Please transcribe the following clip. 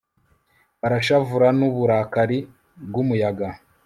barashavura n'uburakari bw'umuyaga